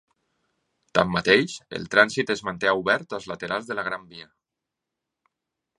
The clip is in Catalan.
Tanmateix, el trànsit es manté obert als laterals de la Gran Via.